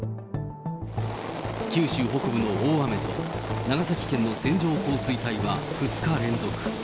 九州北部の大雨と長崎県の線状降水帯は２日連続。